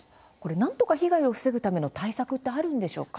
何とか被害を防ぐための対策ってあるんでしょうか。